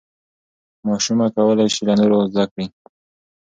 ماشومه کولی شي له نورو زده کړي.